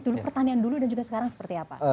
dulu pertanian dulu dan juga sekarang seperti apa